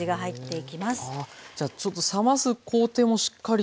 はい。